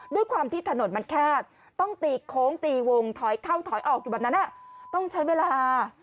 ด้วยความที่ถนนมันแคบต้องตีโค้งตีวงถอยเข้าถอยออกอยู่แบบนั้นต้องใช้เวลา